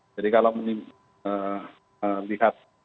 jadi kalau menurut saya